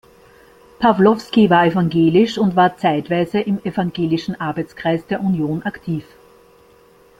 Pawlowski war evangelisch und war zeitweise im Evangelischen Arbeitskreis der Union aktiv.